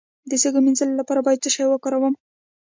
د سږو د مینځلو لپاره باید څه شی وکاروم؟